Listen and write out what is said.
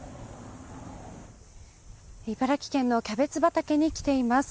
茨城県のキャベツ畑に来ています。